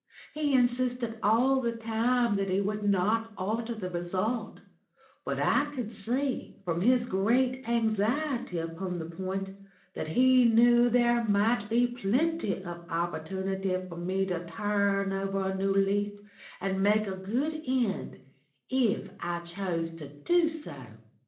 He insisted all the time that it would not alter the result, but I could see, from his great anxiety upon the point, that he knew there might be plenty of opportunity for me to turn over a new leaf, and make a good end, if I chose to do so.